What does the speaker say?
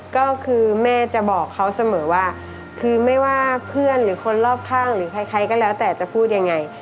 ก็คือแม่จะบอกเขาเสมอว่าคือไม่ว่าเพื่อนหรือคนรอบข้างหรือใครก็แล้วแต่จะพูดยังไง